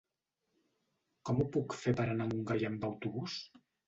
Com ho puc fer per anar a Montgai amb autobús?